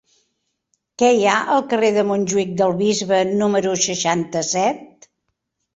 Què hi ha al carrer de Montjuïc del Bisbe número seixanta-set?